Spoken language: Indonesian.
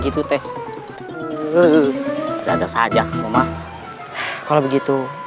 gitu teh uh dadah saja mama kalau begitu